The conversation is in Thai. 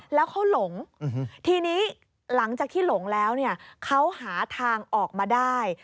แล้วเขาหลงทีนี้หลังจากที่หลงแล้วเนี่ยเขาหาทางออกมาได้